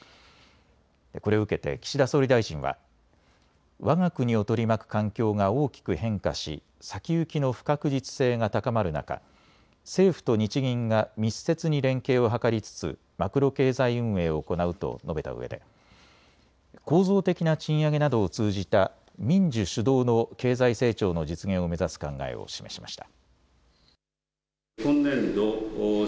これを受けて岸田総理大臣はわが国を取り巻く環境が大きく変化し先行きの不確実性が高まる中、政府と日銀が密接に連携を図りつつマクロ経済運営を行うと述べたうえで構造的な賃上げなどを通じた民需主導の経済成長の実現を目指す考えを示しました。